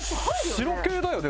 白系だよね。